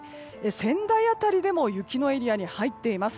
仙台辺りでも雪のエリアに入っています。